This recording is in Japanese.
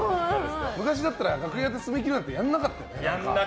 昔だったら楽屋で爪切るなんてやらなかったよな。